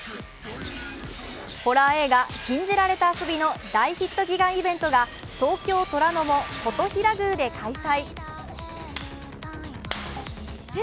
ホラー映画「禁じられた遊び」の大ヒット祈願イベントが東京・虎ノ門、金刀比羅宮で開催。